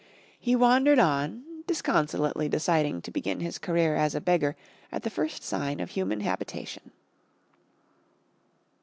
He wandered on disconsolately deciding to begin his career as a beggar at the first sign of human habitation.